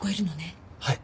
はい。